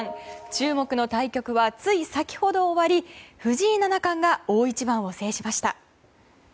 注目の対局はつい先ほど終わり藤井七冠が大一番を制しました。